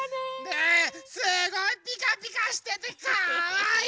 ねえすごいピカピカしててかわいい！